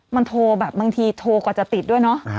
มันโทรแบบบางทีโทรกว่าจะติดด้วยเนอะ